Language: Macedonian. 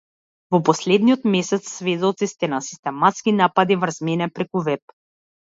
Во последниот месец сведоци сте на систематски напади врз мене преку веб.